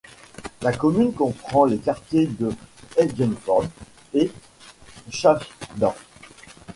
La commune comprend les quartiers de Heygendorf et Schaafsdorf.